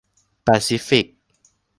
แปซิฟิก